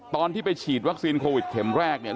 ตอนที่ไปฉีดวัคซีนโควิดเข็มแรกเนี่ย